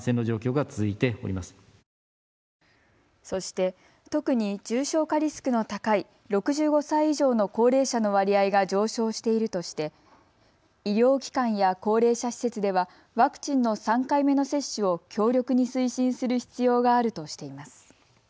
そして特に重症化リスクの高い６５歳以上の高齢者の割合が上昇しているとして医療機関や高齢者施設ではワクチンの３回目の接種を強力に推進する必要があるとしています。